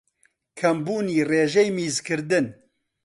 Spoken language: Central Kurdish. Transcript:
کەمبوونی رێژەی میزکردن